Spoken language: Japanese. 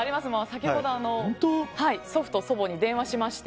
先ほど祖父と祖母に電話しまして。